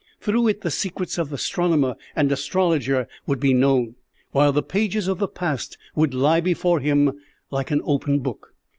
Through it the secrets of astronomer and astrologer would be known, while the pages of the past would lie before him like an open book.